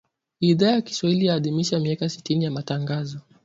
Idhaa ya Kiswahili yaadhimisha miaka sitini ya Matangazo.